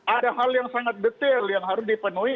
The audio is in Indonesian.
ada hal yang sangat detail yang harus dipenuhi